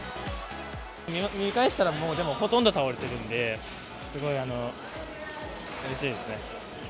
見返したら、ほとんど倒れてるんで、すごいうれしいですね。